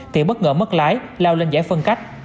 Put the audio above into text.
thì bất ngờ mất lái lao lên giải phân cách